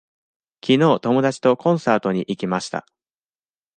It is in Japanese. きのう友達とコンサートに行きました。